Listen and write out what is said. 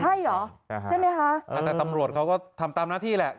ใช่เหรอใช่ไหมคะแต่ตำรวจเขาก็ทำตามหน้าที่แหละ